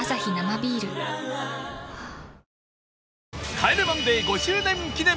『帰れマンデー』５周年記念